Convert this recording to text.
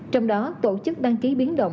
trong đó tổ chức đăng ký biến động